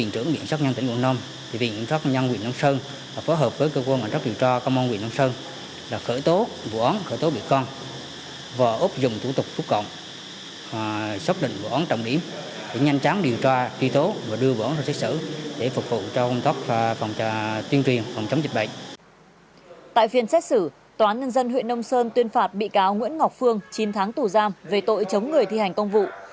tại phiên xét xử toán nhân dân huyện đông sơn tuyên phạt bị cáo nguyễn ngọc phương chín tháng tù giam về tội chống người thi hành công vụ